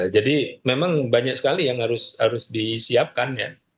jadi memang banyak sekali yang harus disiapkan